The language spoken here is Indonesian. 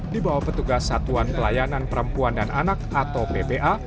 dibawa petugas satuan pelayanan perempuan dan anak atau ppa